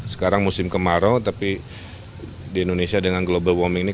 sekarang musim kemarau tapi di indonesia dengan global warming ini